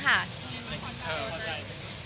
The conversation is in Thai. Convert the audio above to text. พอใจหรือเป็นไง